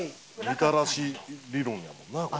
みたらし理論やもんなこれ。